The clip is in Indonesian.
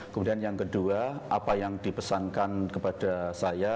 kemudian yang kedua apa yang dipesankan kepada saya